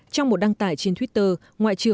trong một đăng tải trên twitter